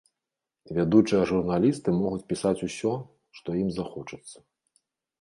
Вядучыя журналісты могуць пісаць усё, што ім захочацца.